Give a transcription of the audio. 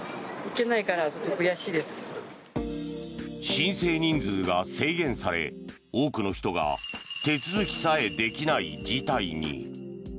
申請人数が制限され多くの人が手続きさえできない事態に。